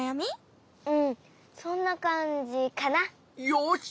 よし！